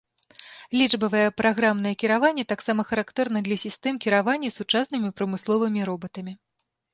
Лічбавае праграмнае кіраванне таксама характэрна для сістэм кіравання сучаснымі прамысловымі робатамі.